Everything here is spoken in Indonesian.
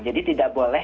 jadi tidak boleh